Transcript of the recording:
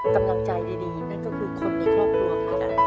กำลังใจดีนั่นก็คือคนในครอบครัวครับ